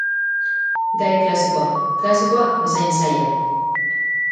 Gai klasikoa, klasikoa bezain zaila.